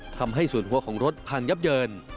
ทำให้ส่วนหัวของรถพังยับเยิน